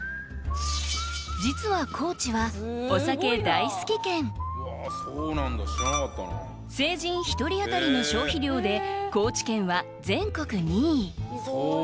実は高知は成人１人あたりの消費量で高知県は全国２位。